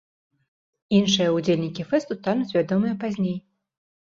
Іншыя ўдзельнікі фэсту стануць вядомыя пазней.